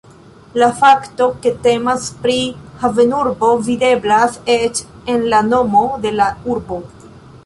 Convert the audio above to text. La fakto ke temas pri havenurbo videblas eĉ en la nomo de la urbo.